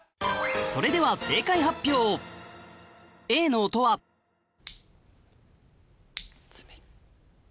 それでは正解発表Ａの音は爪。